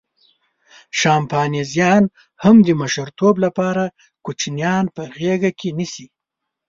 شامپانزیان هم د مشرتوب لپاره کوچنیان په غېږه کې نیسي.